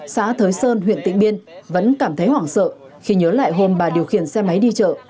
xã thới sơn huyện tịnh biên vẫn cảm thấy hoảng sợ khi nhớ lại hôm bà điều khiển xe máy đi chợ